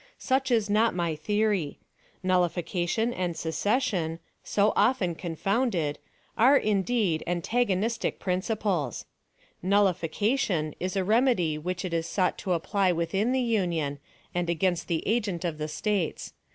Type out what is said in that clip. Such is not my theory. Nullification and secession, so often confounded, are, indeed, antagonistic principles. Nullification is a remedy which it is sought to apply within the Union, and against the agent of the States.